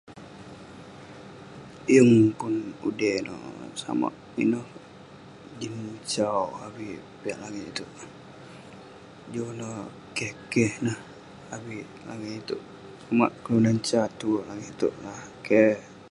Yeng pun udey neh, samak ineh jin sau avik piak langit iteuk. Joh neh keh-keh neh avik langit iteuk. Sumak kelunan sat tuek langit iteuk neh. Keh..